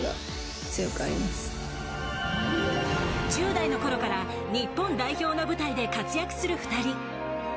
１０代のころから日本代表の舞台で活躍する２人。